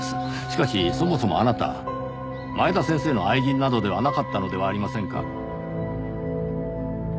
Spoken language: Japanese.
しかしそもそもあなた前田先生の愛人などではなかったのではありませんか？